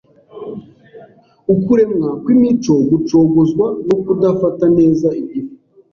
Ukuremwa kw’imico gucogozwa no kudafata neza igifu